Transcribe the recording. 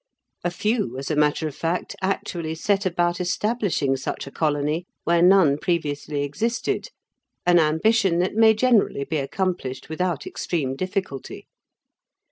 A few, as a matter of fact, actually set about establishing such a colony where none previously existed, an ambition that may generally be accomplished without extreme difficulty.